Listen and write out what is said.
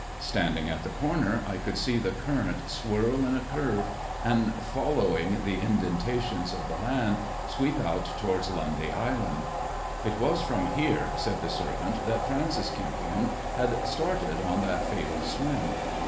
Standing at the comer I could see the current 288 THE JESUIT AND THE MEXICAN COIN swirl in a curve and, following the indentations of the land, sweep out towards Lundy Island. It was from here, said the servant, that Francis Kempion had started on that fatal swim.